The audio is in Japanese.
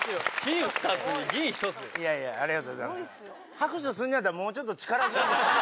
拍手すんねやったらもうちょっと力強くしてほしい。